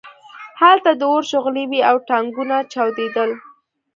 هلته د اور شغلې وې او ټانکونه چاودېدل